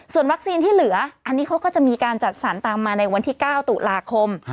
ส่วนวัคซีนที่เหลืออันนี้เขาก็จะมีการจัดสรรตามมาในวันที่๙ตุลาคม